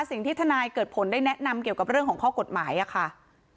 สิ่งที่ทนายเกิดผลได้แนะนำเกี่ยวกับเรื่องของข้อกฎหมายค่ะ